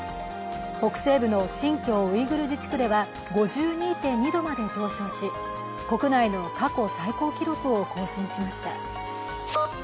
北西部の新疆ウイグル自治区では５２．２度まで上昇し、国内の過去最高記録を更新しました。